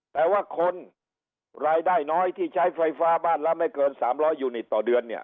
แต่ว่าคนรายได้น้อยที่ใช้ไฟฟ้าบ้านละไม่เกิน๓๐๐ยูนิตต่อเดือนเนี่ย